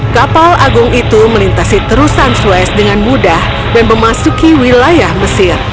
kapal agung itu melintasi terusan suez dengan mudah dan memasuki wilayah mesir